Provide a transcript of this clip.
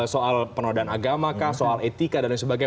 soal penodaan agama soal etika dan sebagainya